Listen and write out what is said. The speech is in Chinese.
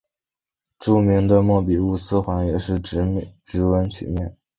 著名的莫比乌斯环也是直纹曲面。